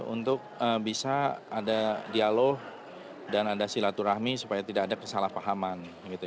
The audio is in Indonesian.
untuk bisa ada dialog dan ada silaturahmi supaya tidak ada kesalahpahaman